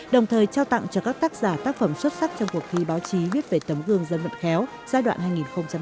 đồng thời trao tặng cho các tác giả tác phẩm xuất sắc trong cuộc thi báo chí viết về tấm gương dân vận khéo giai đoạn hai nghìn một mươi sáu hai nghìn hai mươi